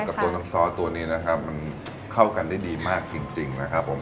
กับตัวน้ำซอสตัวนี้นะครับมันเข้ากันได้ดีมากจริงนะครับผม